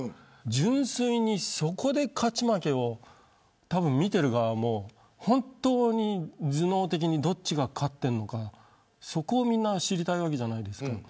純粋に、そこで勝ち負けを見ている側も本当に頭脳的にどちらが勝っているのかそこを知りたいわけじゃないですか。